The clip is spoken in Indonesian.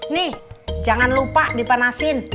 nih jangan lupa dipanasin